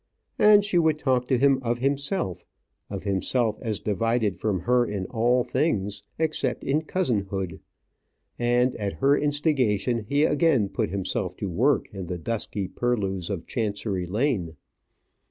And she would talk to him of himself; of himself as divided from her in all things, except in cousinhood. And, at her instigation, he again put himself to work in the dusky purlieus of Chancery Lane.